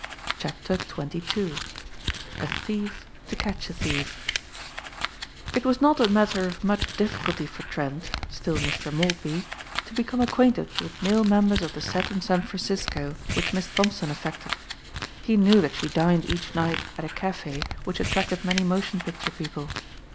CHAPTER XXII A THIEF TO CATCH A THIEF IT was not a matter of much difficulty for Trent, still Mr. Maltby, to become acquainted with male members of the set in San Francisco which Miss Thompson affected. He knew that she dined each night at a café which attracted many motion picture people.